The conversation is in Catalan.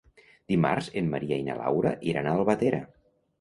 Dimarts en Maria i na Laura iran a Albatera.